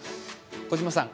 小島さん